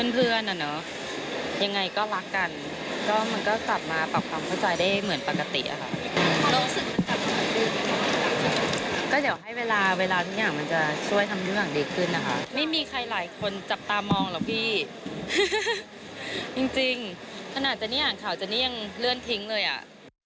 ก็เดี๋ยวให้เวลาเวลาทุกอย่างมันจะช่วยทำทุกอย่างดีขึ้นนะคะไม่มีใครหลายคนจับตามองหรอกพี่จริงขนาดเจนี่อ่านข่าวเจนี่ยังเลื่อนทิ้งเลยอ่ะ